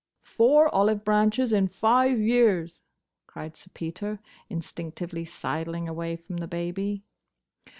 "Four olive branches in five years!" cried Sir Peter, instinctively sidling away from the baby.